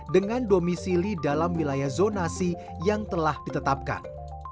dengan domisili dalam wilayah zonasi yang telah ditetapkan